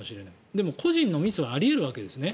でも個人のミスはあり得るわけですね